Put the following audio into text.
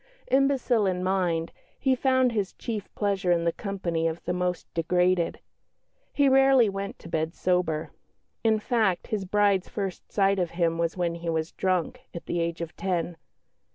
Imbecile in mind, he found his chief pleasure in the company of the most degraded. He rarely went to bed sober in fact, his bride's first sight of him was when he was drunk, at the age of ten.